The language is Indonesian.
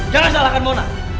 jangan salahkan mona